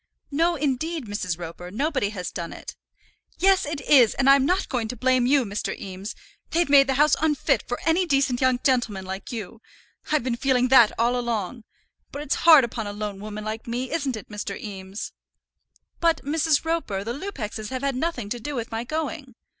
"No, indeed, Mrs. Roper, nobody has done it." "Yes, it is; and I'm not going to blame you, Mr. Eames. They've made the house unfit for any decent young gentleman like you. I've been feeling that all along; but it's hard upon a lone woman like me, isn't it, Mr. Eames?" "But, Mrs. Roper, the Lupexes have had nothing to do with my going."